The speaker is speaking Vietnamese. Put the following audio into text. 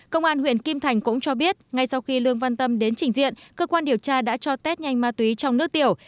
công an huyện kim thành cũng cho biết ngay sau khi lương văn tâm đến trình diện cơ quan điều tra đã cho test nhanh ma túy trong nước tiểu